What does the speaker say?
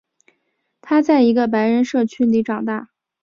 他在一个白人社区里长大。